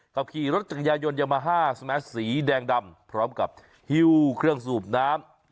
เขาขี่รถจักรยายนยามาฮ่าสแมสสีแดงดำพร้อมกับฮิ้วเครื่องสูบน้ำ